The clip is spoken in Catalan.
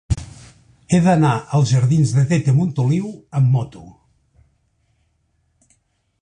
He d'anar als jardins de Tete Montoliu amb moto.